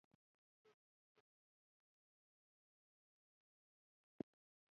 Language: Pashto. د ځینو لرګیو کارونه د تاریخ له پلوه ډېر ارزښت لري.